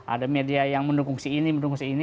ada media yang mendukung si ini mendukung si ini